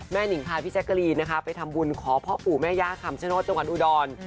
แม่นิ่งพาพี่แจ๊กกะลีนะครับไปทำบุญขอพ่อปู่แม่ยาก่ำชะโน้ตจังหวันอุดร